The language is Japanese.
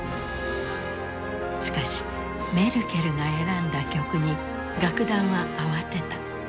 しかしメルケルが選んだ曲に楽団は慌てた。